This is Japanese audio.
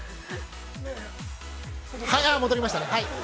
戻りましたね。